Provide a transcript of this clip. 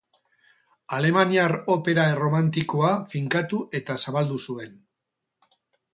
Alemaniar opera erromantikoa finkatu eta zabaldu zuen.